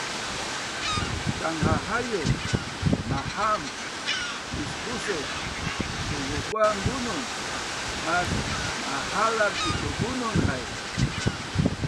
tanghahaiu, mahaam, misbusuk, tukukuang bunun, mas mahalav itubunun hai